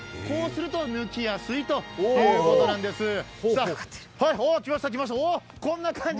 こうすると抜きやすいということなんです。